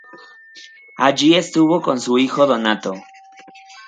Allí estuvo con su hijo Donato.